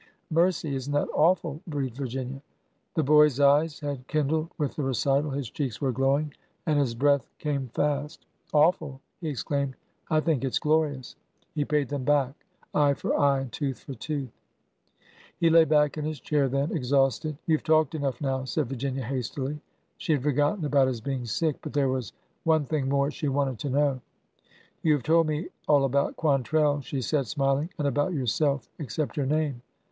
Mercy ! is n't that awful !" breathed Virginia. The boy's eyes had kindled with the recital, his cheeks were glowing, and his breath came fast. AN APT SCHOLAR 273 ^ Awful !''' he exclaimed. I think it glorious ! He paid them back, eye for eye, and tooth for tooth ! He lay back in his chair then, exhausted. " You Ve talked enough now,'' said Virginia, hastily. She had forgotten about his being sick. But there was one thing more she wanted to know. You have told me all about Quantrell," she said, smil ing, and about yourself except your name."